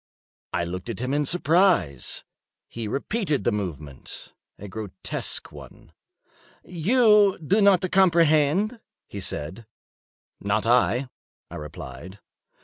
I looked at him in surprise. He repeated the movement—a grotesque one. "You do not comprehend?" he said. "Not I," I replied.